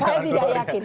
saya tidak yakin